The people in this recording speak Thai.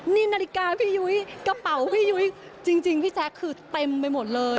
นี่นาฬิกาพี่ยุ้ยกระเป๋าพี่ยุ้ยจริงพี่แจ๊คคือเต็มไปหมดเลย